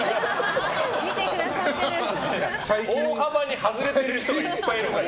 大幅に外れる人がいっぱいいるから。